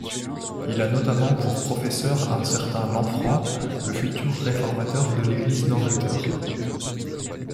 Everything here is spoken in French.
Il a notamment pour professeur un certain Lanfranc, le futur réformateur de l'Église d'Angleterre.